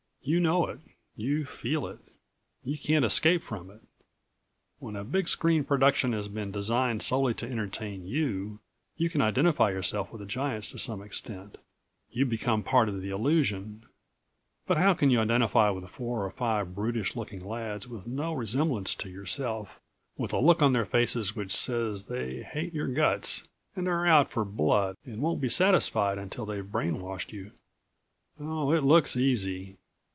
You know it, you feel it ... you can't escape from it. When a big screen production has been designed solely to entertain you, you can identify yourself with the giants to some extent. You become a part of the illusion. But how can you identify with four or five brutish looking lads with no resemblance to yourself, with a look on their faces which says they hate your guts and are out for blood and won't be satisfied until they've brain washed you. Oh, it looks easy.